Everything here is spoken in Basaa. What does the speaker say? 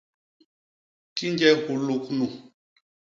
Kinje huluk nu!.